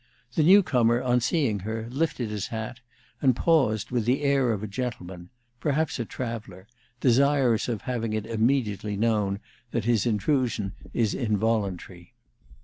The new comer, on seeing her, lifted his hat, and paused with the air of a gentleman perhaps a traveler desirous of having it immediately known that his intrusion is involuntary.